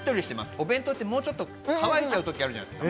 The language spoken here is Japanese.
お弁当って乾いちゃう時あるじゃないですか。